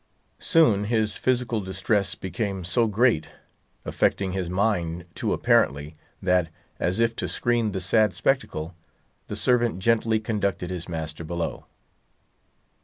Soon his physical distress became so great, affecting his mind, too, apparently, that, as if to screen the sad spectacle, the servant gently conducted his master below.